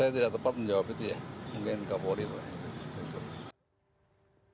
ya saya tidak tepat menjawab itu ya mungkin kapolip lah